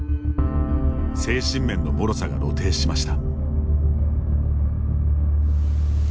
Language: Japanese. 精神面のもろさが露呈しました。